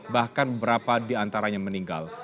bahkan beberapa diantaranya meninggal